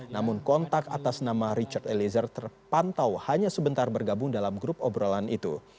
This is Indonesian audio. namun kontak atas nama richard eliezer terpantau hanya sebentar bergabung dalam grup obrolan itu